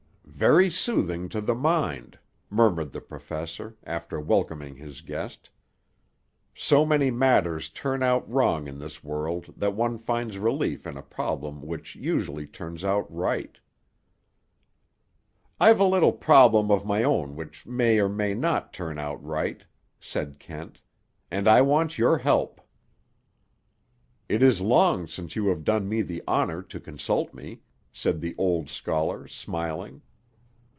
"Very soothing to the mind," murmured the professor, after welcoming his guest. "So many matters turn out wrong in this world that one finds relief in a problem which usually turns out right." "I've a little problem of my own which may or may not turn out right," said Kent, "and I want your help." "It is long since you have done me the honor to consult me," said the old scholar, smiling.